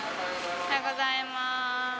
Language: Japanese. おはようございます。